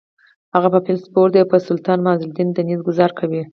هغه په فیل سپور دی او په سلطان معزالدین د نېزې ګوزار کوي: